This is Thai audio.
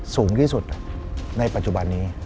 สูงที่สุดในปัจจุบันนี้